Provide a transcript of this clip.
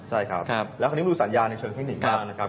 ใช่ครับแล้วคราวนี้มันดูสัญญาณในเชิงเทคนิคมาก